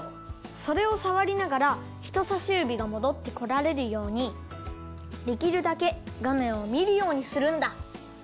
それをさわりながらひとさしゆびがもどってこられるようにできるだけがめんをみるようにするんだ。